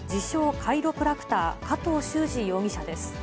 カイロプラクター、加藤修二容疑者です。